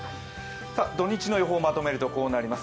土日の予報まとめるとこうなります。